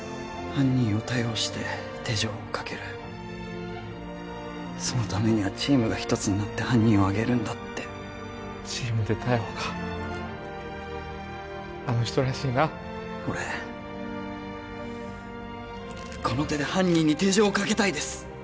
犯人を逮捕して手錠をかけるそのためにはチームが一つになって犯人を挙げるんだってチームで逮捕かあの人らしいな俺この手で犯人に手錠をかけたいです